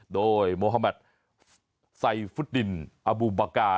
โดยโมฮาแมทไซฟุตดินอบูบากา